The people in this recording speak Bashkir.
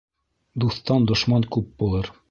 Дуҫтан дошман күп булыр.